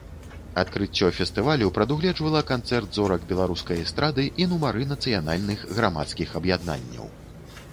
Адкрыццё фестывалю прадугледжвала канцэрт зорак беларускай эстрады і нумары нацыянальных грамадскіх аб'яднанняў.